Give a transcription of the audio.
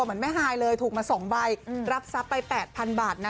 เหมือนแม่ฮายเลยถูกมา๒ใบรับทรัพย์ไป๘๐๐๐บาทนะ